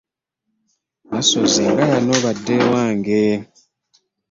Nassozi nga yanoba dda ewange!